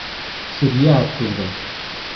Sería absurdo.